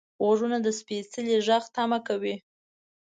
غوږونه د سپیڅلي غږ تمه کوي